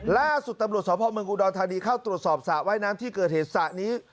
ล่าสุดตำรวจสพเมืองอุดรธานีเข้าตรวจสอบสระว่ายน้ำที่เกิดเหตุสระนี้